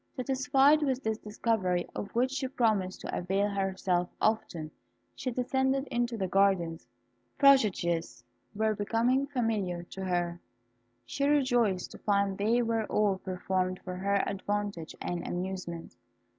Satisfied with this discovery, of which she promised to avail herself often, she descended into the gardens. Prodigies were becoming familiar to her. She rejoiced to find they were all performed for her advantage and amusement.